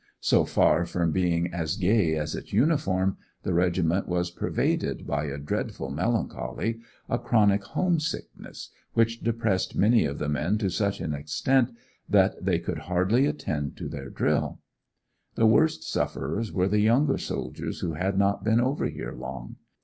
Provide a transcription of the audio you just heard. So far from being as gay as its uniform, the regiment was pervaded by a dreadful melancholy, a chronic home sickness, which depressed many of the men to such an extent that they could hardly attend to their drill. The worst sufferers were the younger soldiers who had not been over here long.